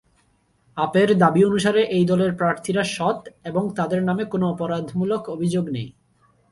আপের দাবি অনুসারে, এই দলের প্রার্থীরা সৎ এবং তাদের নামে কোনো অপরাধমূলক অভিযোগ নেই।